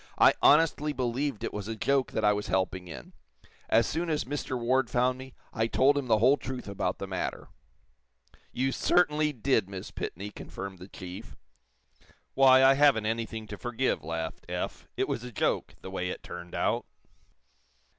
"I honestly believed it was a joke that I was helping in. As soon as Mr. Ward found me, I told him the whole truth about the matter." "You certainly did, Miss Pitney," confirmed the chief. "Why, I haven't anything to forgive," laughed Eph. "It was a joke, the way it turned out."